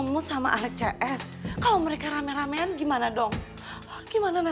mudah mudahan mereka gak apa apa